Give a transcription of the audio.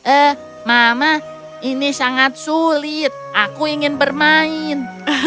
eh mama ini sangat sulit aku ingin bermain